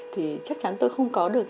thì chắc chắn tôi không có được